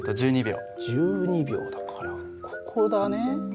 １２秒だからここだね。